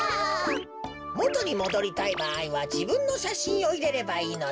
もとにもどりたいばあいはじぶんのしゃしんをいれればいいのだ。